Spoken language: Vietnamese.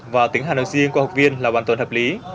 và tiếng hàn nói riêng của học viên là hoàn toàn hợp lý